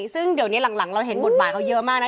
ซึ่งเดี๋ยวนี้หลังเราเห็นบทบาทเขาเยอะมากนะ